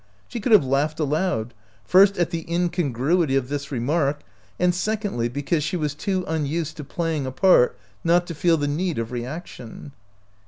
She could have laughed aloud, first at the incongruity of this remark, and secondly because she was too unused to playing a part not to feel the need of re action.